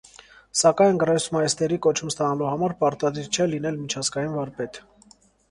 Սակայն գրոսմայստերի կոչում ստանալու համար պարտադիր չէ լինել միջազգային վարպետ։